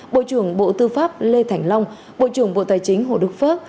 bộ trưởng bộ tư pháp lê thành long bộ trưởng bộ tài chính hồ đức phước